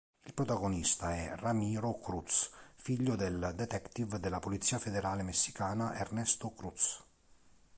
Il protagonista è Ramiro Cruz, figlio del detective della Polizia Federale Messicana Ernesto Cruz.